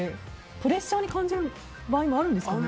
プレッシャーに感じることもあるんですかね？